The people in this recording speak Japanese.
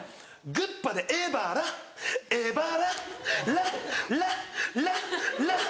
グッパでエバラエバララララララ。